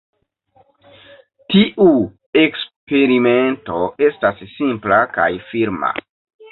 Tiu eksperimento estas simpla kaj firma.